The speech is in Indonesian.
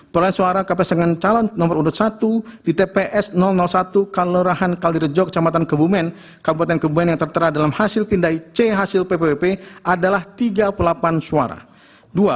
perolehan suara ke pasangan calon nomor urut satu di tps satu kalorahan kalirejo kecamatan kebumen kabupaten kebumen yang tertera dalam hasil pindai c hasil ppwp adalah tiga puluh delapan suara